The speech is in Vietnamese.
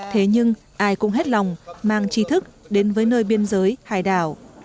thế nhưng ai cũng hết lòng mang chi thức đến với nơi biên giới hải đảo